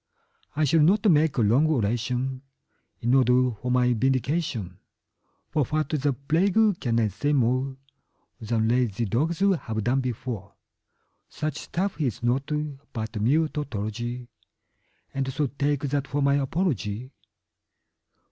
I shall not make a long oration in order for my vindication, For what the plague can I say more Than lazy dogs have done before; Such stuff is naught but mere tautology, And so take that for my apology.